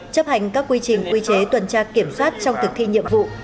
chấp hành các quy trình quy chế tuần tra kiểm soát trong thực thi nhiệm vụ